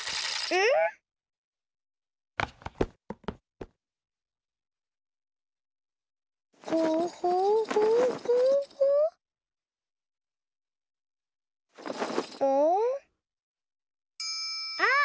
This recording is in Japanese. うん？あっ！